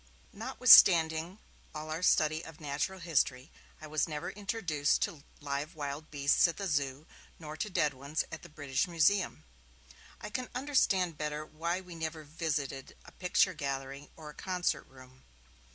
Notwithstanding all our study of natural history, I was never introduced to live wild beasts at the Zoo, nor to dead ones at the British Museum. I can understand better why we never visited a picture gallery or a concert room.